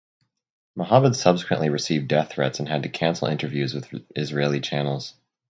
Mohamed subsequently received death threats and had to cancel interviews with Israeli channels.